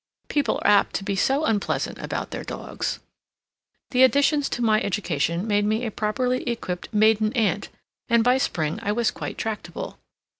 People are apt to be so unpleasant about their dogs. The additions to my education made me a properly equipped maiden aunt, and by spring I was quite tractable.